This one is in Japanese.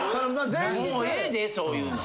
もうええでそういうの。